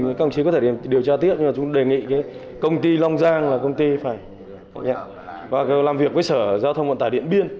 các công chí có thể điều tra tiếp là chúng đề nghị công ty long giang là công ty phải gọi làm việc với sở giao thông vận tải điện biên